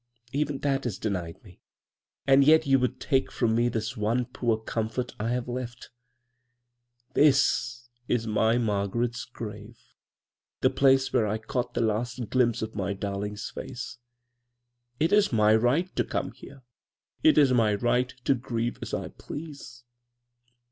Even that is denied me ; and yet you would take from me the one poor comfort I have left 1 TTtis is my Margaret's grave, the place where 1 caught the last glimpse of my dar ling's face. It is my right to come here. It is my right to grieve as I please.